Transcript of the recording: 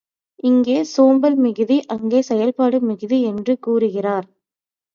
இங்கே சோம்பல் மிகுதி அங்கே செயல்பாடு மிகுதி என்று கூறுகிறார்.